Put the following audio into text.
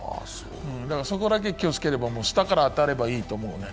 そこだけ気をつければ、下から当たればいいと思う。